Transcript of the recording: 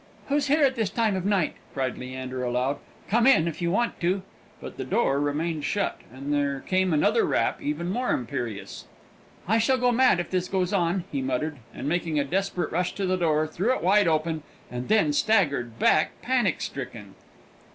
"Who's here at this time of night?" cried Leander, aloud. "Come in, if you want to!" But the door remained shut, and there came another rap, even more imperious. "I shall go mad if this goes on!" he muttered, and making a desperate rush to the door, threw it wide open, and then staggered back panic stricken.